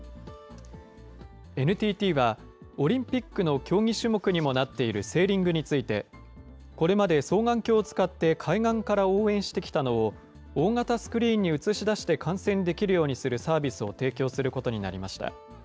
ＮＴＴは、オリンピックの競技種目にもなっているセーリングについて、これまで双眼鏡を使って海岸から応援してきたのを、大型スクリーンに映し出して観戦できるようにするサービスを提供することになりました。